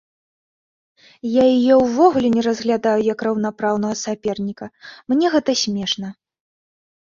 Я яе ўвогуле не разглядаю як раўнапраўнага саперніка, мне гэта смешна!